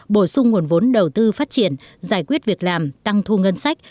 bổ sung nguồn vốn đầu tư phát triển giải quyết việc làm tăng thu ngân sách